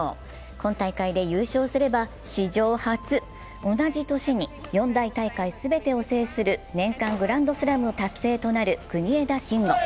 今大会で優勝すれば史上初、同じ年に四大大会全てを制する年間グランドスラム達成となる国枝慎吾。